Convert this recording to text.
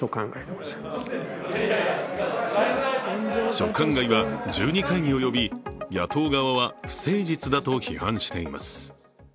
「所管外」は１２回に及び野党側は不誠実だと批判しています。